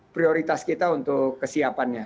prioritas kita untuk kesiapannya